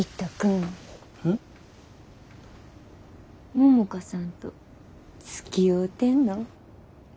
百花さんとつきおうてんの？